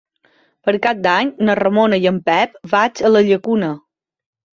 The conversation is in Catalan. Per Cap d'Any na Ramona i en Pep vaig a la Llacuna.